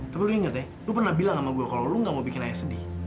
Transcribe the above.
tapi lu inget ya lu pernah bilang sama gue kalau lu gak mau bikin ayah sedih